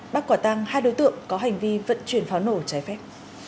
bắt quả tăng hai đối tượng có hành vi vận chuyển pháo nổ trái phép